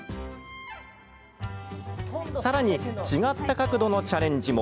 さらに違った角度のチャレンジも。